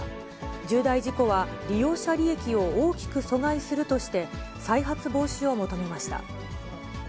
重大事故は、利用者利益を大きく阻害するとして、再発防止を求めました。